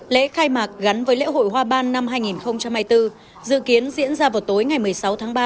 lễ khai mạc gắn với lễ hội hoa ban năm hai nghìn hai mươi bốn dự kiến diễn ra vào tối ngày một mươi sáu tháng ba